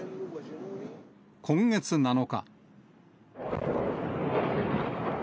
今月７日。